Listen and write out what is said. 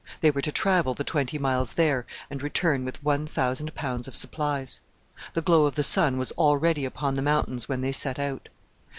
They were to travel the twenty miles there, and return with one thousand pounds of supplies. The glow of the sun was already upon the mountains when they set out.